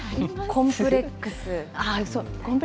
コンプレックス？